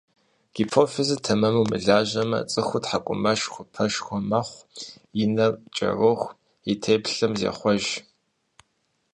Гипофизыр тэмэму мылажьэмэ, цӀыхур тхьэкӀумэшхуэ, пэшхуэ, мэхъу, и нэм кӀэроху, и теплъэм зехъуэж.